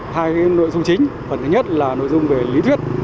hai nội dung chính phần thứ nhất là nội dung về lý thuyết